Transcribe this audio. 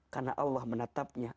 karena allah menetapnya